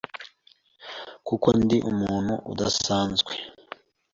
kuko ndi umuntu udasanzwe ...